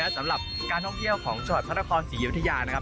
สำหรับการท่องเที่ยวของจังหวัดพระนครศรีอยุธยานะครับ